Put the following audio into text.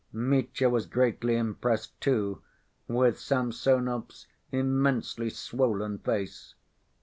Mitya was greatly impressed, too, with Samsonov's immensely swollen face.